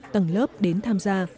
tầng lớp đến tham gia